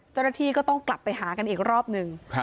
เจ้าหน้าที่ก็ต้องกลับไปหากันอีกรอบหนึ่ง